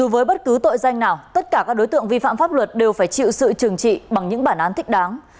với bất cứ tội danh nào tất cả các đối tượng vi phạm pháp luật đều phải chịu sự trừng trị bằng những bản án thích đáng